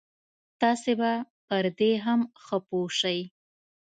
تاسې به پر دې هم ښه پوه شئ.